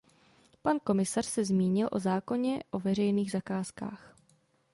Pan komisař se zmínil o zákoně o veřejných zakázkách.